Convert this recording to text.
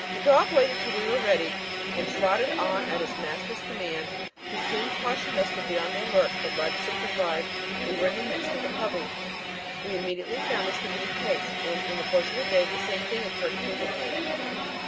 The dog waited till we were ready, and trotted on at his master's command, who soon cautioned us to be on the alert, for Lud signified we were in the midst of the covey. We immediately found this to be the case, and in the course of the day the same thing occurred frequently."